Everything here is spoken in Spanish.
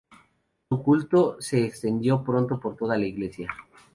Su culto se extendió pronto por toda la iglesia.